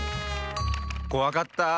こわかったあ。